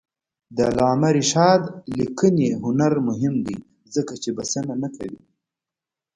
د علامه رشاد لیکنی هنر مهم دی ځکه چې بسنه نه کوي.